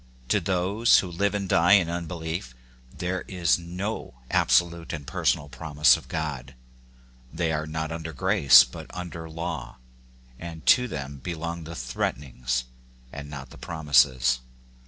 To those who live and die in un belief there is no absolute and personal promise of God : they are not under grage but under law, and to them belong the threatenings and not the prom ises.